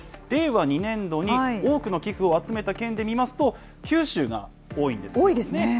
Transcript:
令和２年度に多くの寄付を集めた県で見ますと、九州が多いんですね。